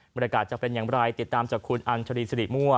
บริการจะเป็นอย่างไรติดตามจากคุณอันทรีศรีมั่ว